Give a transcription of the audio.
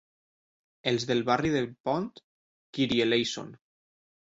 Els del barri del Pont, kirieleison.